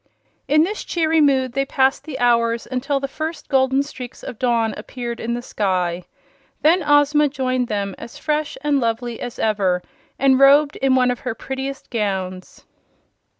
In this cheery mood they passed the hours until the first golden streaks of dawn appeared in the sky. Then Ozma joined them, as fresh and lovely as ever and robed in one of her prettiest gowns.